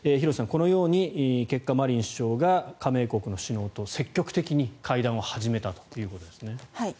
このように結果、マリン首相が加盟国の首脳と積極的に会談を始めたということですね。